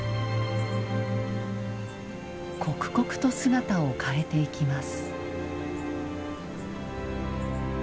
刻々と姿を変えていきます。